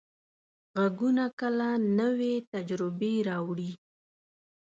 غږونه کله نوې تجربې راوړي.